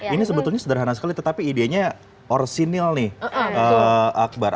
ini sebetulnya sederhana sekali tetapi idenya orsinil nih akbar